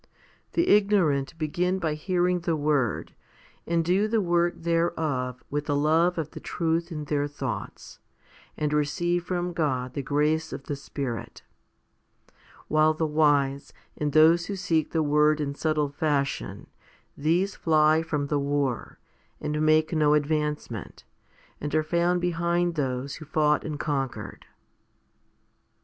The ignorant begin by hearing the word, and do the work thereof with the love of the truth in their thoughts, and receive from God the grace of the Spirit; while the wise, and those who seek the word in subtle fashion, these fly from the war, and make no advancement, and are found behind those who fought and conquered.